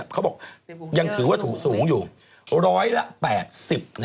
เขาบอกยังถือว่าถูกสูงอยู่ร้อยละ๘๐